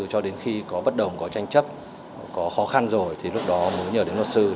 cho đến khi có bất đồng có tranh chấp có khó khăn rồi thì lúc đó mới nhờ đến luật sư